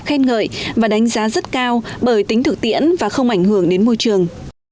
khen ngợi và đánh giá rất cao bởi tính thực tiễn và không ảnh hưởng đến môi trường